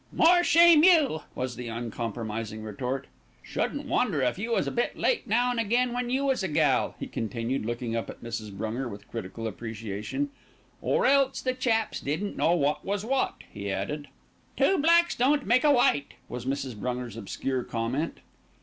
"More shame you," was the uncompromising retort. "Shouldn't wonder if you was a bit late now an' again when you was a gal," he continued, looking up at Mrs. Brunger with critical appreciation "or else the chaps didn't know wot was wot," he added. "Two blacks don't make a white," was Mrs. Brunger's obscure comment.